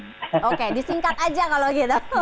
oke disingkat aja kalau gitu